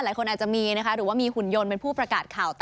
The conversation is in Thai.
หลายคนอาจจะมีนะคะหรือว่ามีหุ่นยนต์เป็นผู้ประกาศข่าวต่อ